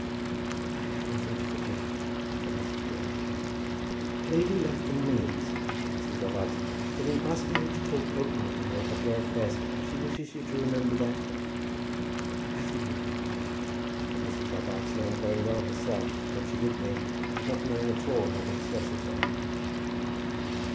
"I have nothing to forgive," said Mrs. Crawley. "Lady Lufton means," said Mrs. Robarts, "that in asking you to talk openly to her of your affairs, she wishes you to remember that I think you know what we mean," said Mrs. Robarts, knowing very well herself what she did mean, but not knowing at all how to express herself.